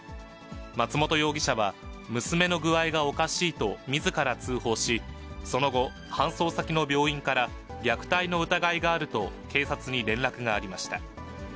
松本容疑者は、娘の具合がおかしいと、みずから通報し、その後、搬送先の病院から虐待の疑いがあると、警察に連絡がありました。